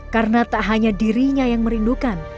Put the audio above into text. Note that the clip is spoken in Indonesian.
karena tak hanya dirinya yang merindukan